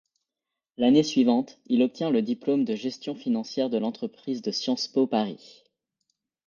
L’année suivante, il obtient le diplôme de gestion financière de l’entreprise de Sciences-Po Paris.